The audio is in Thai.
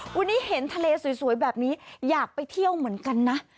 วันนี้เห็นทะเลสวยแบบนี้อยากไปเที่ยวเหมือนกันนะ